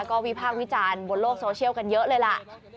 ก็วิพากษ์วิจารณ์บนโลกโซเชียลกันเยอะเลยล่ะ